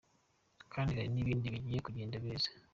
Kandi hari n’ibindi bigiye kugenda neza.